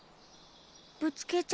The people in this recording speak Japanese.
ぶつけちゃった！